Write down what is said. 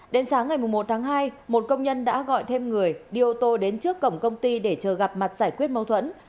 đến sáng ngày một tháng hai một công nhân đã gọi thêm người đi ô tô đến trước cổng công ty để chờ gặp mặt giải quyết mâu thuẫn